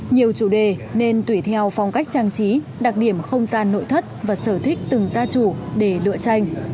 nhiều chủ đề nên tùy theo phong cách trang trí đặc điểm không gian nội thất và sở thích từng gia chủ để lựa tranh